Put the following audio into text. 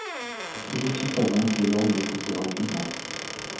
L'édifice avance dès lors beaucoup plus rapidement.